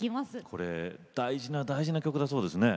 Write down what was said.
これ大事な大事な曲だそうですね。